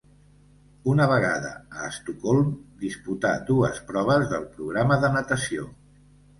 Una vegada a Estocolm disputà dues proves del programa de natació.